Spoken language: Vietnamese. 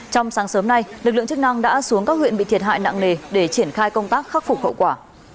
trong sáng sớm nay lực lượng chức năng đã xuống các huyện bị thiệt hại nặng nề để triển khai công tác khắc phục hậu quả